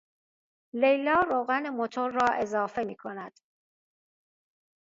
لیلا روغن موتور را اضافه میکند.